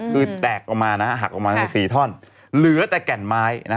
คือแตกออกมาหักออกมา๔ท่อนเหลือแต่แก่นไม้